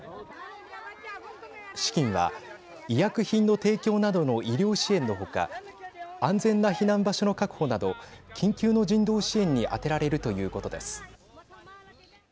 資金は医薬品の提供などの医療支援の他安全な避難場所の確保など緊急の人道支援に充てられるということです。